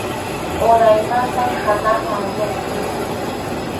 Uraymanta hanaqman lluqsiy.